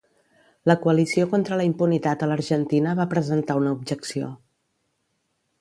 La Coalició contra la Impunitat a l'Argentina va presentar una objecció.